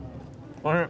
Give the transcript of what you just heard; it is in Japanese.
おいしい。